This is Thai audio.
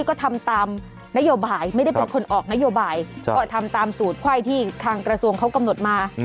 ก็ทำตามนโยบายไม่ได้เป็นคนออกนโยบายก็ทำตามสูตรไขว้ที่ทางกระทรวงเขากำหนดมา